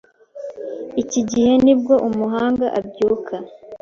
iki gihe ni bwo umuhanga abyuka